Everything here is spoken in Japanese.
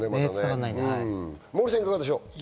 モーリーさん、いかがでしょう？